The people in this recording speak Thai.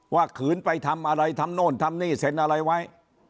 ขืนไปทำอะไรทำโน่นทำนี่เซ็นอะไรไว้